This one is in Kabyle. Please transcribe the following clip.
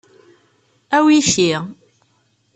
Awi ti.